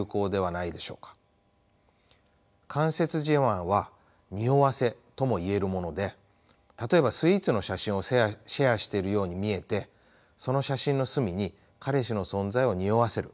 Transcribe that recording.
間接自慢は「におわせ」とも言えるもので例えばスイーツの写真をシェアしているように見えてその写真の隅に彼氏の存在をにおわせる。